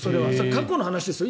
過去の話ですよ。